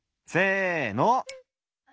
せの！